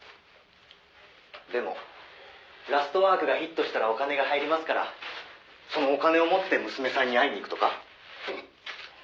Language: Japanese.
「でも『ラストワーク』がヒットしたらお金が入りますからそのお金を持って娘さんに会いに行くとか？」